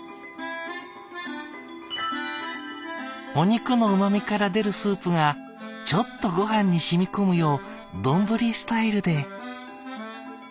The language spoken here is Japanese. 「お肉のうまみから出るスープがちょっとごはんに染み込むようどんぶりスタイルで」。